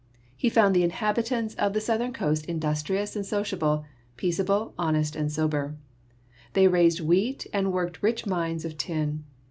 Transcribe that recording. He found the inhabi tants of the southern coast industrious and sociable, peace able, honest and sober. They raised wheat and worked rich mines of tin.